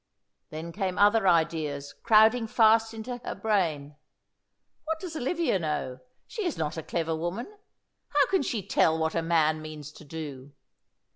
Then came other ideas, crowding fast into her brain. "What does Olivia know? She is not a clever woman. How can she tell what a man means to do?